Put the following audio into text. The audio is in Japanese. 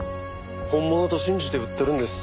本物と信じて売ってるんです。